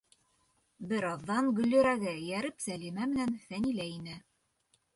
Бер аҙҙан Гөллирәгә эйәреп Сәлимә менән Фәнилә инә.